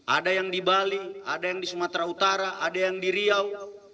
ada yang di bali ada yang di sumatera utara ada yang di riau